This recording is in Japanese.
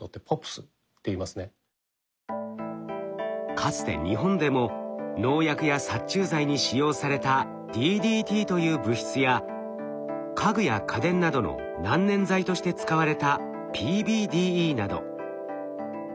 かつて日本でも農薬や殺虫剤に使用されたＤＤＴという物質や家具や家電などの難燃剤として使われたＰＢＤＥなど。